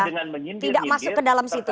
tidak masuk ke dalam situ